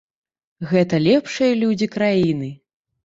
Гэта лепшыя людзі краіны.